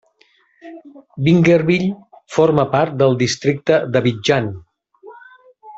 Bingerville forma part del Districte d'Abidjan.